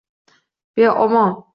Beomon.